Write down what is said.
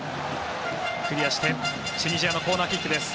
クリアして、チュニジアのコーナーキックです。